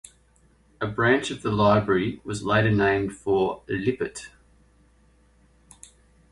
A branch of the library was later named for Lippitt.